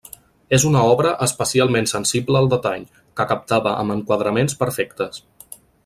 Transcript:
És una obra especialment sensible al detall, que captava amb enquadraments perfectes.